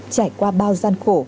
trải qua bao gian khổ